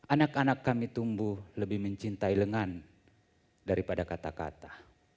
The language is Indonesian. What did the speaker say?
anak anak kami tumbuh lebih mencintai lengan daripada kata kata